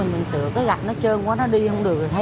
mình có lót tới đâu thì nó đi tới đó